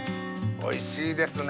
おいしいですね。